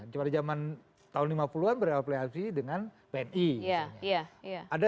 cuma di jaman tahun lima puluh an berapliasi dengan pni misalnya